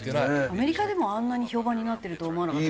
アメリカでもあんなに評判になってるとは思わなかった。